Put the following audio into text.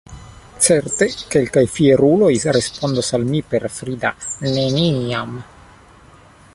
Certe kelkaj fieruloj respondos al mi per frida “neniam”.